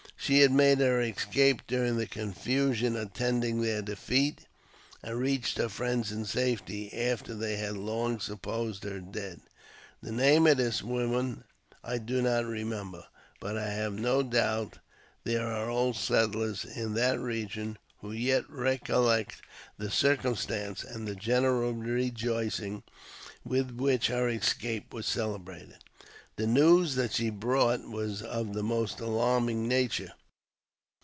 She had made her escape during the confusion attending their defeat, and reached her friends in safety, after they had long supposed her dead. The name of this w^oman I do not re member, but I have no doubt there are old settlers in that region who yet recollect the circumstance, and the general rejoicing with which her escape was celebrated. The news that she brought w^as of the most alarming nature.